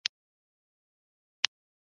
پښتون ژغورني غورځنګ په کلک افغاني مبارزه کوي.